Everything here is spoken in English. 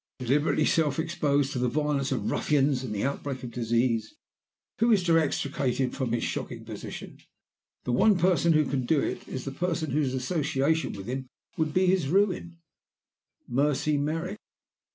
Deliberately self exposed to the violence of ruffians and the outbreak of disease, who is to extricate him from his shocking position? The one person who can do it is the person whose association with him would be his ruin Mercy Merrick.